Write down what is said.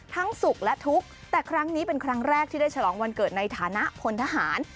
สุขและทุกข์แต่ครั้งนี้เป็นครั้งแรกที่ได้ฉลองวันเกิดในฐานะพลทหาร